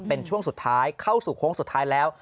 เป็นช่วงสุดท้ายเข้าสู่โค้งสุดท้ายแล้ว